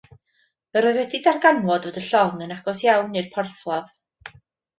Yr oedd wedi darganfod fod y llong yn agos iawn i'r porthladd.